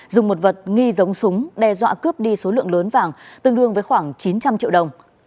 dùng một vật nghi giống súng đe dọa cướp đi số lượng lớn vàng tương đương với khoảng chín trăm linh triệu đồng